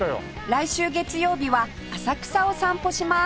来週月曜日は浅草を散歩します